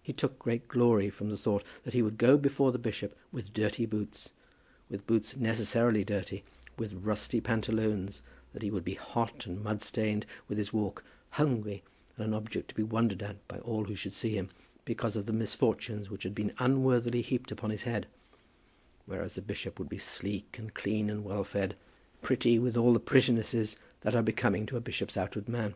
He took great glory from the thought that he would go before the bishop with dirty boots, with boots necessarily dirty, with rusty pantaloons, that he would be hot and mud stained with his walk, hungry, and an object to be wondered at by all who should see him, because of the misfortunes which had been unworthily heaped upon his head; whereas the bishop would be sleek and clean and well fed, pretty with all the prettinesses that are becoming to a bishop's outward man.